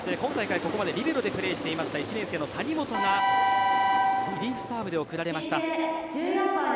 ここまでリベロでプレーしていた１年生の谷本がリリーフサーブで送られました。